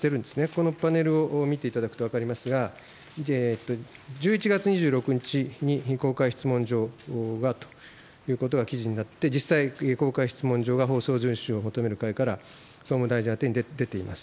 このパネルを見ていただくと分かりますが、１１月２６日に、公開質問状がということが記事になって、公開質問状が放送法順守を求める会から総務大臣宛てに出ています。